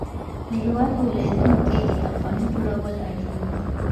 د هیواد په ولایتونو کې کتابخانو جوړول اړین دي.